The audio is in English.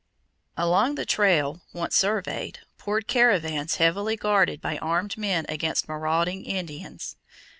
Along the trail, once surveyed, poured caravans heavily guarded by armed men against marauding Indians.